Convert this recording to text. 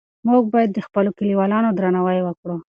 موږ باید د خپلو لیکوالانو درناوی وکړو.